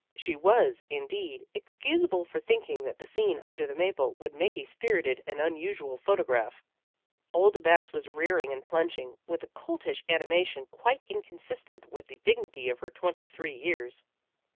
She was, indeed, excusable for thinking that the scene under the maple would make a spirited and unusual photograph. Old Bess was rearing and plunging with a coltish animation quite inconsistent with the dignity of her twenty three years.